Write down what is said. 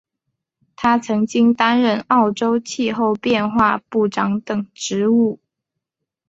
他曾经担任澳洲气候变化部长等职务。